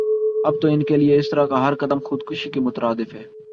اب تو انکےلئے اسطرح کا ہر قدم خودکشی کے مترادف ہے